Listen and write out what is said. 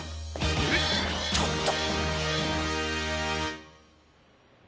えっちょっと。